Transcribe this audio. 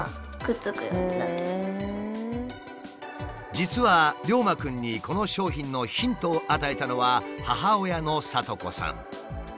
実はりょうまくんにこの商品のヒントを与えたのは母親の智子さん。